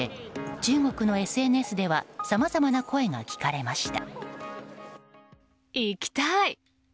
中国のＳＮＳではさまざまな声が聞かれました。